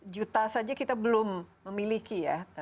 satu juta saja kita belum memiliki ya